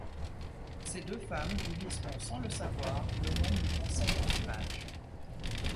Ces deux femmes diviseront sans le savoir le monde du Conseil en Image.